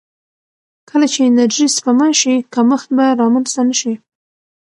کله چې انرژي سپما شي، کمښت به رامنځته نه شي.